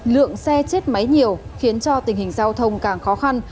lượng xe chết máy nhiều khiến cho tình hình giao thông càng khó khăn